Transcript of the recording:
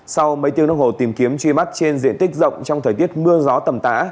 sau mấy tiếng nước hồ tìm kiếm truy mắt trên diện tích rộng trong thời tiết mưa gió tầm tã